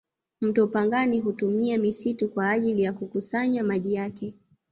mto pangani hutumia misitu kwa ajili ya kukusanya maji yake